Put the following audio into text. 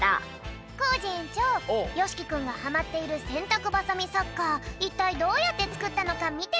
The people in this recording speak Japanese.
コージえんちょうよしきくんがハマっているせんたくバサミサッカーいったいどうやってつくったのかみてみよう！